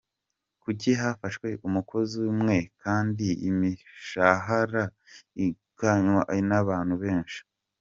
Kuki hafashwe umukozi umwe kandi imishahara isinywaho n’abantu benshi ?